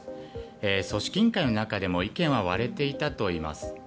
組織委員会の中でも意見は割れていたといいます。